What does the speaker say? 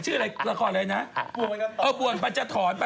ชื่อรายละครอะไรนะ